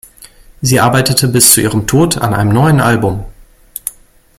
Sie arbeitete bis zu ihrem Tod an einem neuen Album.